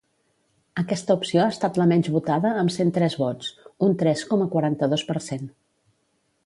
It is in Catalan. Aquesta opció ha estat la menys votada amb cent tres vots, un tres coma quaranta-dos per cent.